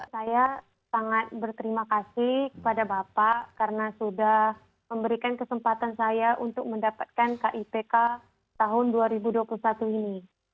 saya sangat berterima kasih kepada bapak karena sudah memberikan kesempatan saya untuk mendapatkan kipk tahun dua ribu dua puluh satu ini